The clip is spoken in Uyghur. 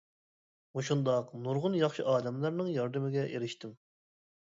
مۇشۇنداق نۇرغۇن ياخشى ئادەملەرنىڭ ياردىمىگە ئېرىشتىم.